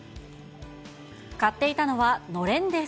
買っていたのはのれんです。